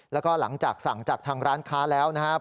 แล้วก็หลังจากสั่งจากทางร้านค้าแล้วนะครับ